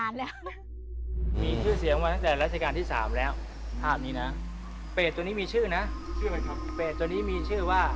ยิ่งกัญชัยเนี่ย